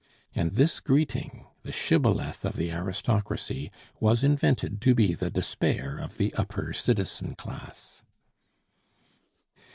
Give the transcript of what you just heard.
And this greeting, the shibboleth of the aristocracy, was invented to be the despair of the upper citizen class.